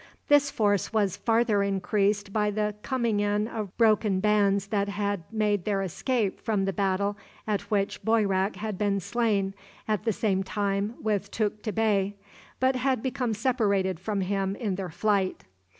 This force was farther increased by the coming in of broken bands that had made their escape from the battle at which Boyrak had been slain at the same time with Tukta Bey, but had become separated from him in their flight.